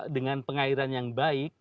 dengan pengairan yang baik